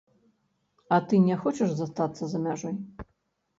А ты не хочаш застацца за мяжой?